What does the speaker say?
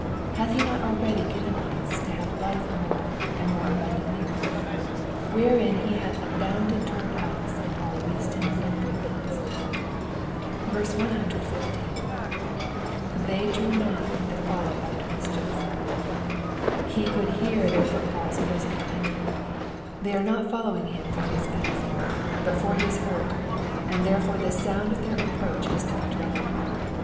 Hath he not already given us to have life more and more abundantly ?Wherein he hath abounded toward us in all wisdom and prudence." 150. ^''They draw nigh that follow after mischi^,^^ He could hear their footfalls close behind him. They are not following him for his benefit, but for his hurt, and therefore the sound of their approach is to be dieaded.